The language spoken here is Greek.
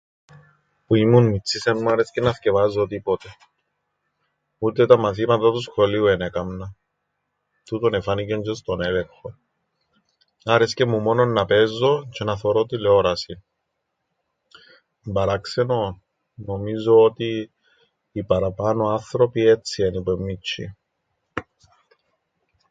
Που ήμουν μιτσής εν μου άρεσκεν να θκιεβάζω τίποτε. Ούτε τα μαθήματα του σχολείου εν έκαμνα. Τούτον εφάνηκεν τζ̆αι στον έλεγχον. Άρεσκεν μου μόνον να παίζω τζ̆αι να θωρώ τηλεόρασην. Εν' παράξενον; Νομίζω ότι οι παραπάνω άνθρωποι έτσι ένι που εν' μιτσ̆ιοί.